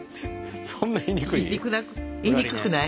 そんな言いにくい？